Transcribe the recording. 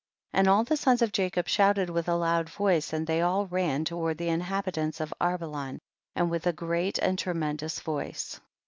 6. And all the sons of Jacob shout ed with a loud voice, and they all ran toward the inhabitants of Arbelan, and with a great and tremendous voice.